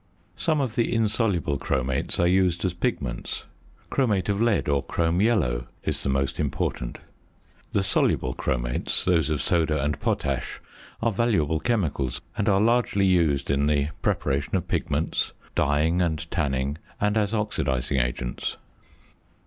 Some of the insoluble chromates are used as pigments; chromate of lead or chrome yellow is the most important. The soluble chromates, those of soda and potash, are valuable chemicals, and are largely used in the preparation of pigments, dyeing and tanning, and as oxidising agents.